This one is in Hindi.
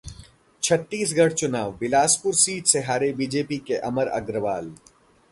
छत्तीसगढ़ चुनाव: बिलासपुर सीट से हारे बीजेपी के अमर अग्रवाल